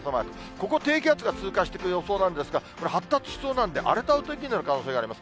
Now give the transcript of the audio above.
ここ、低気圧が通過していく予想なんですが、これ、発達しそうなんで、荒れたお天気になる可能性があります。